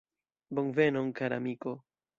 Bonvenon, kara amiko!